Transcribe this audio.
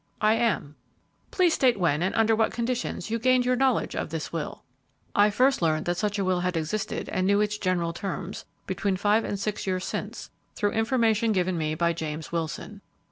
"I am." "Please state when, and under what conditions, you gained your knowledge of this will." "I first learned that such a will had existed and knew its general terms, between five and six years since, through information given me by James Wilson.